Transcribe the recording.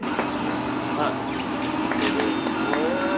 はい完成ですえ